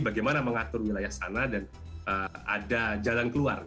bagaimana mengatur wilayah sana dan ada jalan keluar